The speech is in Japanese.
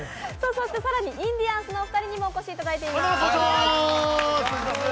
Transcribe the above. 更にインディアンスのお二人にもお越しいただいています。